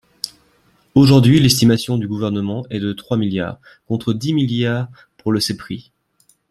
Aujourd’hui, l’estimation du Gouvernement est de trois milliards, contre dix milliards pour le CEPRI.